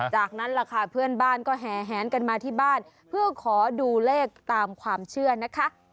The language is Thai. จากนั้นล่ะค่ะเพื่อนบ้านก็แห่แหนกันมาที่บ้านเพื่อขอดูเลขตามความเชื่อนะคะ